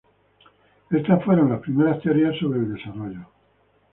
Estas fueron las primeras teorías sobre el desarrollo.